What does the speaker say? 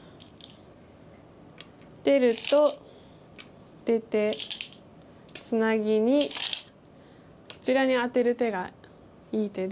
出ると出てツナギにこちらにアテる手がいい手で。